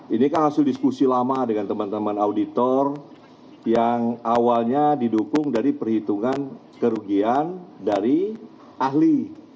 ini kan hasil diskusi lama dengan teman teman auditor yang awalnya didukung dari perhitungan kerugian dari ahli